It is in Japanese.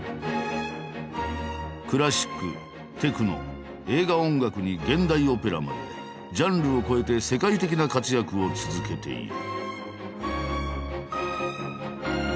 クラシックテクノ映画音楽に現代オペラまでジャンルを超えて世界的な活躍を続けている。